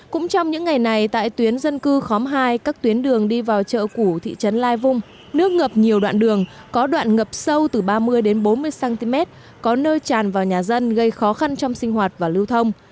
cũng trong những ngày này tại tuyến dân cư khóm hai các tuyến đường đi vào chợ củ thị trấn lai vung nước ngập nhiều đoạn đường có đoạn ngập sâu từ ba mươi đến bốn mươi cm có nơi tràn vào nhà dân gây khó khăn trong sinh hoạt và lưu thông